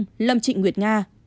trịnh nguyệt nga